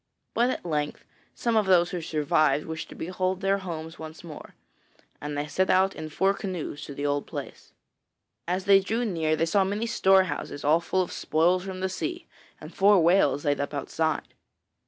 But at length some of those who survived, wished to behold their homes once more, and they set out in four canoes to the old place. As they drew near, they saw many storehouses all full of spoils from the sea, and four whales laid up outside.